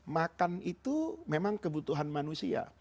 makan itu memang kebutuhan manusia